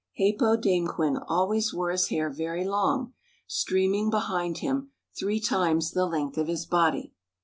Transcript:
Hāpōdāmquen always wore his hair very long, streaming behind him three times the length of his body.